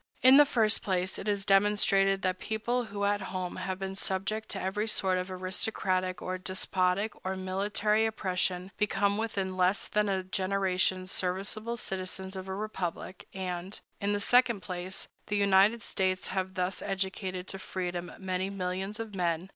In the first place, it has demonstrated that people who at home have been subject to every sort of aristocratic or despotic or military oppression become within less than a generation serviceable citizens of a republic; and, in the second place, the United States have thus educated to freedom many millions of men.